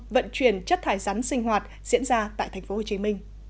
vận chuyển chất thải rắn sinh hoạt diễn ra tại tp hcm